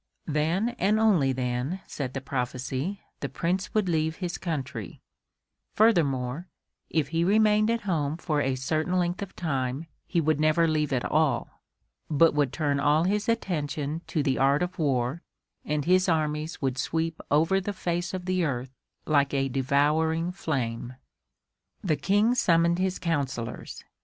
Then and then only, said the prophecy, the Prince would leave his country; furthermore, if he remained at home for a certain length of time he would never leave at all, but would turn all his attention to the art of war, and his armies would sweep over the face of the earth like a devouring flame. The King summoned his counsellors.